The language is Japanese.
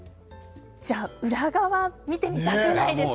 裏側を見てみたくないですか。